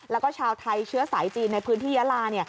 แล้วก็ชาวไทยเชื้อสายจีนในพื้นที่ยาลา